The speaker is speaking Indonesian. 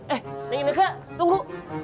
eh neng eneke tunggu